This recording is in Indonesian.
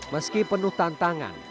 meski penuh tantangan